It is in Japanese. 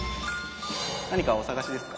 何かお探しですか？